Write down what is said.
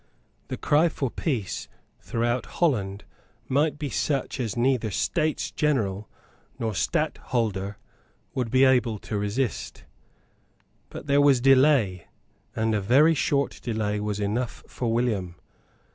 The cry for peace throughout Holland might be such as neither States General nor Stadtholder would be able to resist. But there was delay; and a very short delay was enough for William.